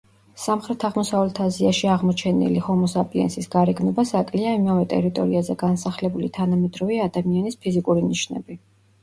სამხრეთ-აღმოსავლეთ აზიაში აღმოჩენილი ჰომო საპიენსის გარეგნობას აკლია იმავე ტერიტორიაზე განსახლებული თანამედროვე ადამიანის ფიზიკური ნიშნები.